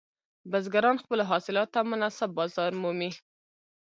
بزګران خپلو حاصلاتو ته مناسب بازار مومي.